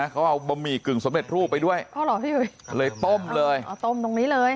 เขาเอาบะหมี่กึ่งสำเร็จรูปไปด้วยอ๋อเหรอพี่อุ๋ยเลยต้มเลยอ๋อต้มตรงนี้เลย